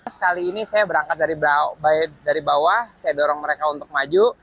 sekali ini saya berangkat dari bawah saya dorong mereka untuk maju